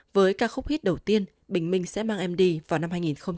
với ca khúc hit đầu tiên bình minh sẽ mang em đi vào năm hai nghìn